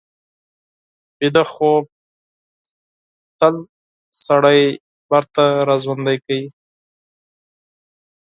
ویده خوب تل سړی بېرته راژوندي کوي